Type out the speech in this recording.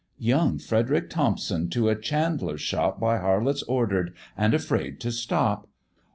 "Young Frederick Thompson, to a chandler's shop By harlots order'd, and afraid to stop!